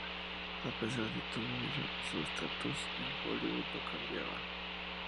A pesar de todo ello, su status en Hollywood no cambiaba.